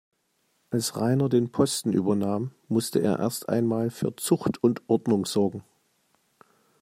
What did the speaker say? Als Rainer den Posten übernahm, musste er erst einmal für Zucht und Ordnung sorgen.